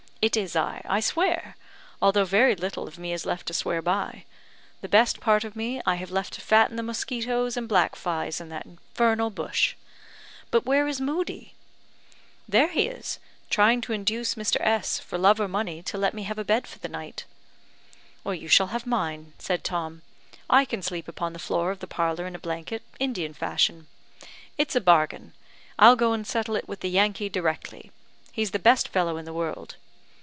It is I, I swear! although very little of me is left to swear by. The best part of me I have left to fatten the mosquitoes and black flies in that infernal bush. But where is Moodie?" "There he is trying to induce Mr. S , for love or money, to let me have a bed for the night." "You shall have mine," said Tom. "I can sleep upon the floor of the parlour in a blanket, Indian fashion. It's a bargain I'll go and settle it with the Yankee directly; he's the best fellow in the world!